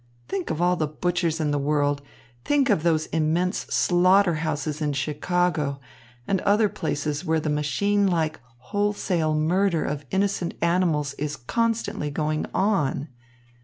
Think of all the butchers in the world, think of those immense slaughter houses in Chicago and other places where the machine like, wholesale murder of innocent animals is constantly going on.